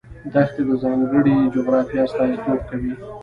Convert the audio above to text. دښتې د ځانګړې جغرافیې استازیتوب کوي.